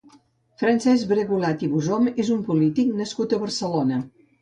Francesc Bragulat i Bosom és un polític nascut a Barcelona.